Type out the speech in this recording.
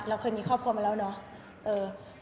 เราเคยมีครอบครัวมาแล้วเนาะ